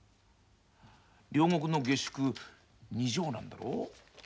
両国の下宿２畳なんだろ。